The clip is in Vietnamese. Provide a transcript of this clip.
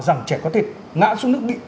rằng trẻ có thể ngã xuống nước